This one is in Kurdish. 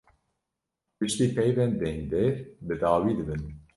Piştî peyvên dengdêr bi dawî dibin.